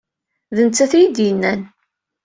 D nettat ay iyi-d-yennan.